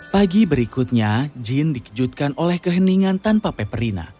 pagi berikutnya jin dikejutkan oleh keheningan tanpa peperina